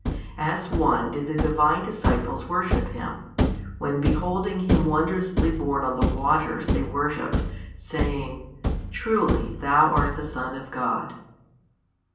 As One did the Divine disciples worship Him, when beholding Him wondrously borne on the waters they worshipped saying, Truly 42 Thou art the Son of God.